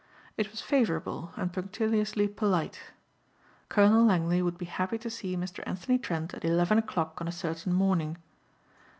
It was favorable and punctiliously polite. Colonel Langley would be happy to see Mr. Anthony Trent at eleven o'clock on a certain morning.